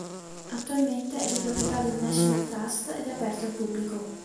Attualmente è di proprietà del National Trust ed è aperto al pubblico.